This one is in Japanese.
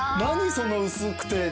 その薄くて奇麗。